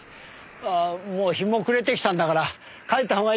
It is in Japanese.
ああもう日も暮れてきたんだから帰ったほうがいいよ。